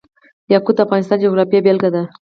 یاقوت د افغانستان د جغرافیې بېلګه ده.